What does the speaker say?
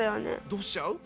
どうしちゃう？